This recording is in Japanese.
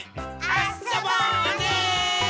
あそぼうね！